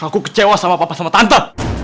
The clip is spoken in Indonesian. aku kecewa sama papa sama tante